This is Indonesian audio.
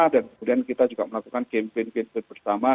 dan kemudian kita juga melakukan kempen kempen bersama